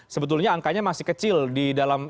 sebetulnya angkanya masih kecil di dalam